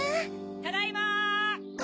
・ただいま！